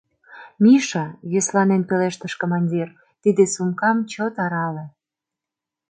— Миша, — йӧсланен пелештыш командир, — тиде сумкам чот арале.